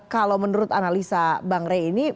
kalau menurut analisa bang rey ini